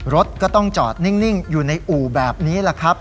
รถก็ต้องจอดนิ่งอยู่ในอู่แบบนี้แหละครับ